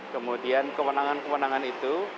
kemudian kewenangan kewenangan itu